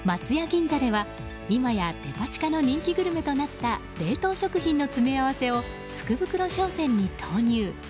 銀座では、今やデパ地下の人気グルメとなった冷凍食品の詰め合わせを福袋商戦に投入。